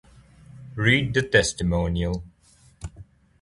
Read the testimonial